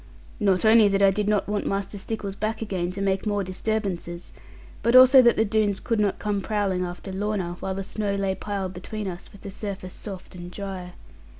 Not only that I did not want Master Stickles back again, to make more disturbances; but also that the Doones could not come prowling after Lorna while the snow lay piled between us, with the surface soft and dry.